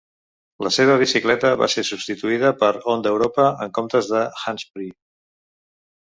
La seva bicicleta va ser substituïda per Honda Europa en comptes de Hannspree.